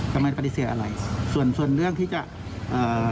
ไม่ได้ปฏิเสธอะไรส่วนส่วนเรื่องที่จะเอ่อ